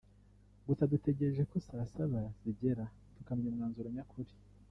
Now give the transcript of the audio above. gusa dutegereje ko saa saba zigera tukamenya umwanzuro nyakuri